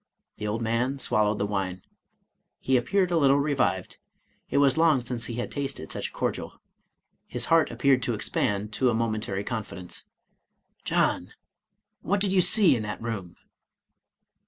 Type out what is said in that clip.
The old man swallowed the wine. He appeared a little revived; it was long since he had tasted such a 163 Irish Mystery Stories cordial, — ^his heart appeared to expand to a momentary confidence. "John, what did you see in that room?"